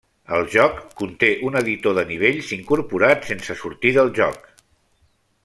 El joc conté un editor de nivells incorporat sense sortir del joc.